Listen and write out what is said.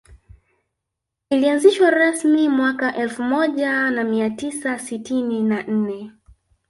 Ilianzishwa rasmi mwaka elfu moja na mia tisa sitini na nne